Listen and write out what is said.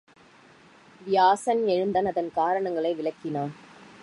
வியாசன் எழுந்தான் அதன் காரணங்களை விளக்கினான்.